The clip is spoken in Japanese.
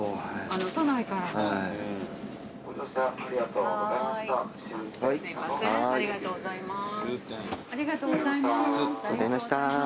ありがとうございます。